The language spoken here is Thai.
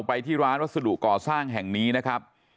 ไปที่ร้านวัสดุก่อสร้างแห่งนี้นะครับ